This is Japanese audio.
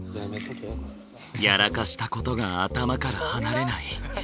やらかしたことが頭から離れない。